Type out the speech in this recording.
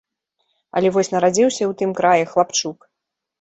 Але вось нарадзіўся ў тым краі хлапчук.